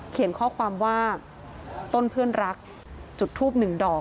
เขียนข้อความว่าต้นเพื่อนรักจุดทูบหนึ่งดอก